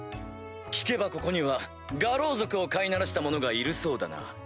聞けばここには牙狼族を飼いならした者がいるそうだな。